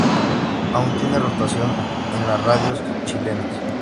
Aún tiene rotación en la radios chilenas.